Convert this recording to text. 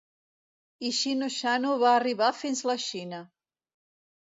I xino xano va arrivar fins la Xina.